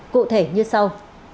cụ thể như sau